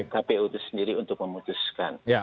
kpu itu sendiri untuk memutuskan